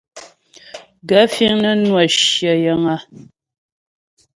Gaə̂ fíŋ nə́ nwə́ shyə yəŋ a ?